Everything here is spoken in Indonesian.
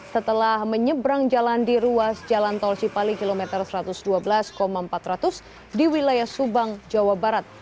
setelah menyeberang jalan di ruas jalan tol cipali kilometer satu ratus dua belas empat ratus di wilayah subang jawa barat